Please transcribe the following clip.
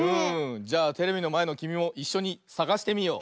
じゃあテレビのまえのきみもいっしょにさがしてみよう！